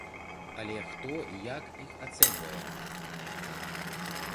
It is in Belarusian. Але хто і як іх ацэньвае?